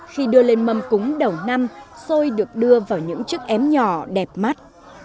khi đưa lên mâm cúng đầu năm xôi được đưa vào những chiếc ém nhỏ đẹp mắt